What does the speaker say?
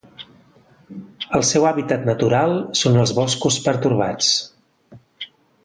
El seu hàbitat natural són els boscos pertorbats.